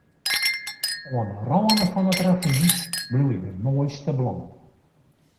Oan 'e râne fan it ravyn bloeie de moaiste blommen.